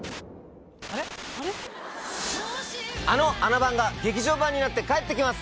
あの『あな番』が劇場版になって帰って来ます！